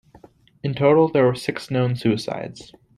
In total there were six known suicides.